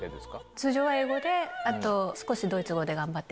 通常は英語で、あと少しドイツ語で頑張って。